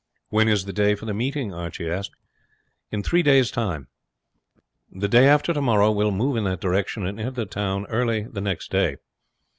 "When is the day for the meeting?" Archie asked. "In three days' time. The day after tomorrow we will move in that direction, and enter the town early the next day."